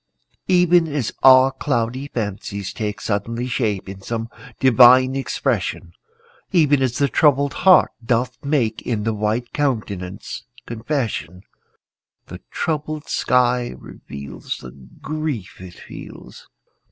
Even as our cloudy fancies take Suddenly shape in some divine expression, Even as the troubled heart doth make In the white countenance confession, The troubled sky reveals The grief it feels.